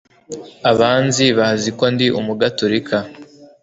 Abanzi bazi ko ndi Umugatolika